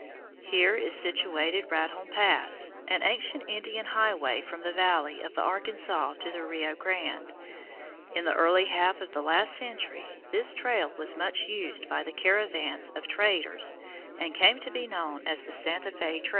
Here is situated Raton Pass, an ancient Indian highway from the valley of the Arkansas to the Rio Grande. In the early half of the last century this trail was much used by the caravans of traders and came to be known as the Santa Fé trail.